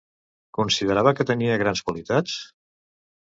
Considerava que tenia grans qualitats?